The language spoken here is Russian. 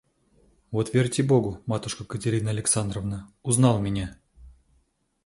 Вот верьте Богу, матушка Катерина Александровна, узнал меня!